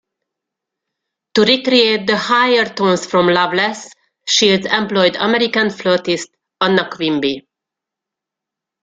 To recreate the higher tones from "Loveless", Shields employed American flautist Anna Quimby.